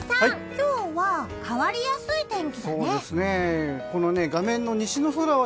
今日は変わりやすい天気だね。